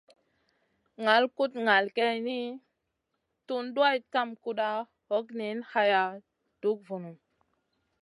Ŋal kuɗ ŋal geyni, tun duwayda kam kuɗa, hog niyn haya, dug vun.